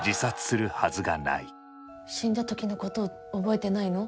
死んだ時のこと覚えてないの？